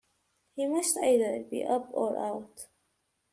He must either be up or out.